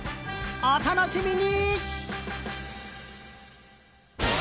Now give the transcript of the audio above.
お楽しみに！